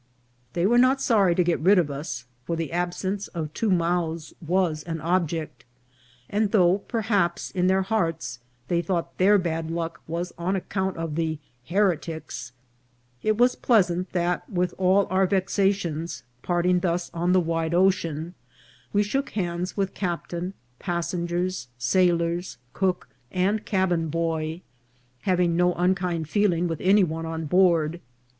They were not sorry to get rid of us, for the absence of two mouths was an object; and though, perhaps, in their hearts they thought their bad luck was on account of the heretics, it was pleasant, that with all our vexations, parting thus on the wide ocean, we shook hands with captain, passengers, sailors, cook, and cabin boy, having no unkind feeling with any one on board.